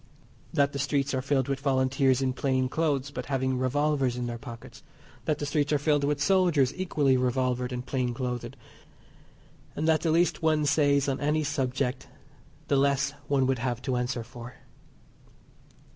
That the streets are filled with Volunteers in plain clothes, but having revolvers in their pockets. That the streets are filled with soldiers equally revolvered and plain clothed, and that the least one says on any subject the less one would have to answer for.